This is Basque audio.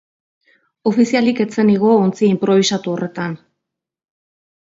Ofizialik ez zen igo ontzi inprobisatu horretan.